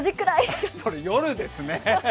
それ、夜ですね。